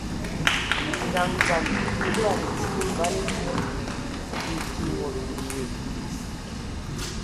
Ngaɲ dzam e vali evǝvali nen, eki mod te woe,